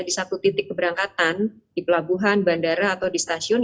di satu titik keberangkatan di pelabuhan bandara atau di stasiun